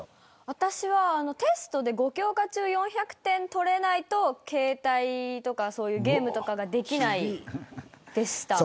私はテストで５教科中４００点取れないと携帯とかゲームとかができない、でした。